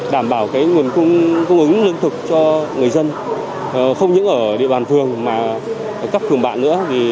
đảm bảo nguồn cung ứng lương thực cho người dân không những ở địa bàn phường mà các phường bạn nữa